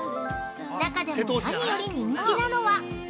中でも、何より人気なのは◆